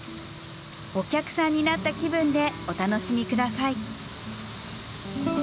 お客さんになった気分でお楽しみください。